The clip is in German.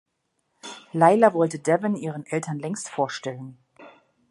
Laila wollte Devon ihren Eltern längst vorstellen.